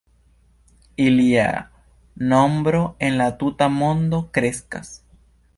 Ilia nombro en la tuta mondo kreskas.